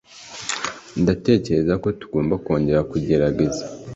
Ndatekereza ko tugomba kongera kugerageza.